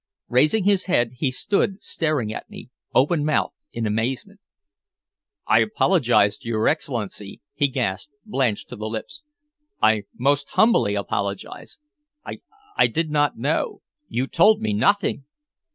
Raising his head, he stood staring at me open mouthed in amazement. "I apologize to your Excellency!" he gasped, blanched to the lips. "I most humbly apologize. I I did not know. You told me nothing!"